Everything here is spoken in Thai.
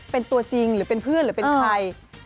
เป็นตัวจริงหรือเป็นเพื่อนหรือเป็นใคร